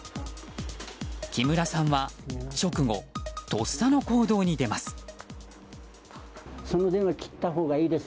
木村さんは直後とっさの行動に出ます。